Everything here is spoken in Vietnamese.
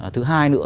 thứ hai nữa